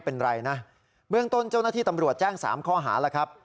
เป็นไรนะเมืองต้นเจ้านาที่ตำรวชแจ้งสามข้อหาล่ะครับ